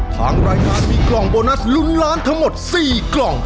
ทางรายการมีกล่องโบนัสลุ้นล้านทั้งหมด๔กล่อง